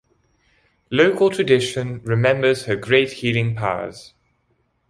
Local tradition remembers her great healing powers.